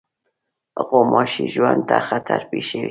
غوماشې ژوند ته خطر پېښوي.